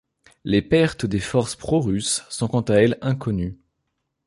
Les pertes des forces pro-russes sont quant à elles inconnues.